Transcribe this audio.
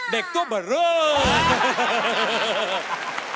เด็กตัวบริโภค